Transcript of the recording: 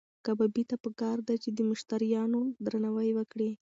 کبابي ته پکار ده چې د مشتریانو درناوی وکړي.